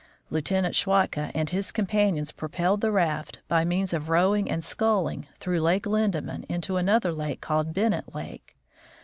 Lieutenant Schwatka and his companions propelled the raft, by means of rowing and sculling, through Lake Linde man into another lake called Bennett lake.